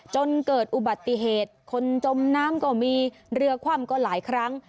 จนเกิดอุบัติเหตุคนจมน้ำก็มีเรือคว่ำก็หลายครั้ง